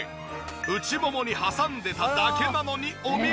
内ももに挟んでただけなのにお見事！